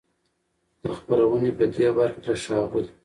د خپرونې په دې برخه کې له ښاغلي